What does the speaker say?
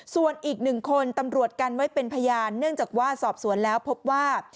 ส่วนอีกหนึ่งคนตำรวจกันไว้เป็นพยานเนื่องจากว่าสอบสวนแล้วพบว่า